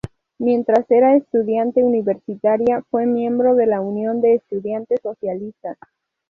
Mientras era estudiante universitaria, fue miembro de la unión de estudiantes socialistas.